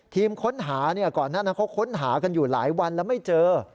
ทีมค้นหาก่อนหน้านั้นเขาค้นหากันอยู่หลายวันแล้วไม่เจอ